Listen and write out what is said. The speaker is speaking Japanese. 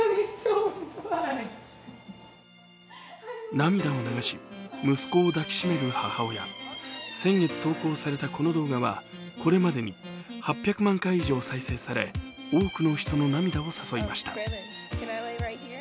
涙を流し、息子を抱きしめる母親先月投稿されたこの動画はこれまでに８００万回以上再生され多くの人の涙を誘いました。